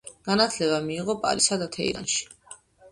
განათლება მიიღო პარიზსა და თეირანში.